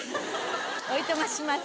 おいとまします。